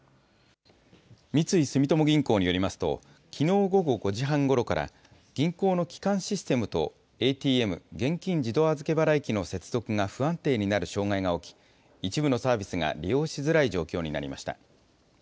三井住友銀行によりますと、きのう午後５時半ごろから銀行の基幹システムとＡＴＭ・現金自動預払機の接続が不安定になる障害が起き、一部のサービスが利用しづらい状況になりました。